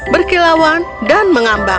berkilauan dan mengagumkan